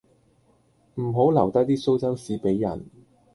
唔好留低啲蘇州屎俾人